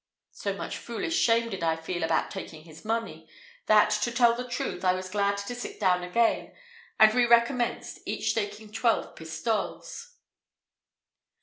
So much foolish shame did I feel about taking his money, that, to tell the truth, I was glad to sit down again, and we recommenced, each staking twelve pistoles.